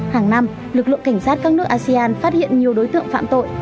hàng năm lực lượng cảnh sát các nước asean phát hiện nhiều đối tượng phạm tội